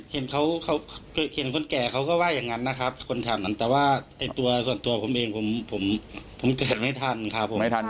เห็นคนแก่เขาก็ว่าอย่างนั้นนะครับคนถามนั้นแต่ว่าส่วนตัวผมเองผมเติมไม่ทันครับ